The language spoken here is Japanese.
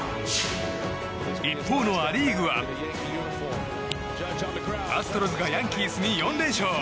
一方のア・リーグはアストロズがヤンキースに４連勝。